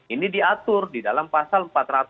ini diatur di dalam pasal empat ratus enam puluh lima